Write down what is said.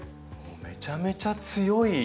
めちゃめちゃ強い！